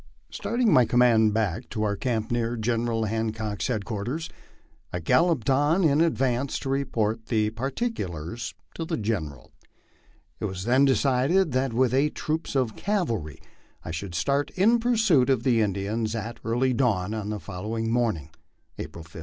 Starting my command back to our camp near General Hancock's headquarters, I galloped on in advance to report the particulars to the General. It was then decided that with eight troops of cavalry I should start in pursuit of the Indians at early dawn on the following morning (April 15).